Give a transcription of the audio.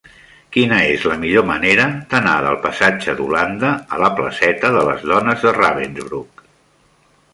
Quina és la millor manera d'anar del passatge d'Holanda a la placeta de les Dones de Ravensbrück?